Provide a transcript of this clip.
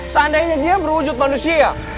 seandainya dia berwujud manusia